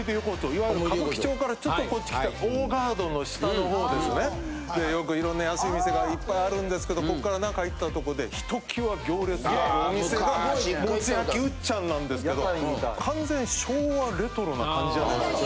いわゆる歌舞伎町からちょっとこっち来た大ガードの下の方ですねでよく色んな安い店がいっぱいあるんですけどこっから中行ったとこでひときわ行列があるお店がもつ焼ウッチャンなんですけど完全昭和レトロな感じじゃないですか。